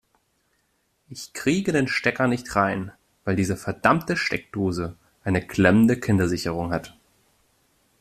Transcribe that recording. Ich kriege den Stecker nicht rein, weil diese verdammte Steckdose eine klemmende Kindersicherung hat.